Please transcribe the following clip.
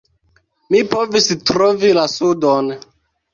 Mi povis trovi la sudon.